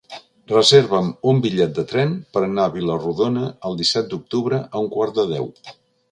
Reserva'm un bitllet de tren per anar a Vila-rodona el disset d'octubre a un quart de deu.